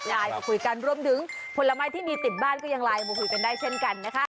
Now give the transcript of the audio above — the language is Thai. ไลน์มาคุยกันรวมถึงผลไม้ที่มีติดบ้านก็ยังไลน์มาคุยกันได้เช่นกันนะคะ